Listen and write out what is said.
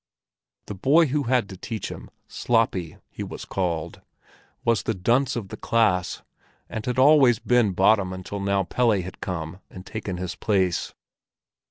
The boy who had to teach him—Sloppy, he was called—was the dunce of the class and had always been bottom until now Pelle had come and taken his place.